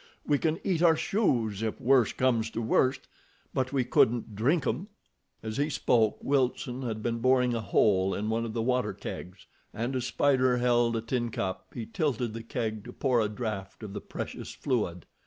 We can eat our shoes if worse comes to worst, but we couldn't drink 'em." As he spoke Wilson had been boring a hole in one of the water kegs, and as Spider held a tin cup he tilted the keg to pour a draft of the precious fluid.